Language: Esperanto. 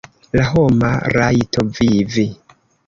La homa rajto vivi.